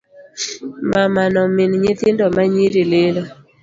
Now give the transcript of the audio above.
Mamano min nyithindo ma nyiri lilo.